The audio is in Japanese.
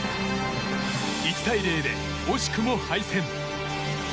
１対０で惜しくも敗戦。